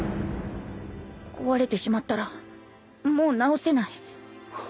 壊れてしまったらもう直せない。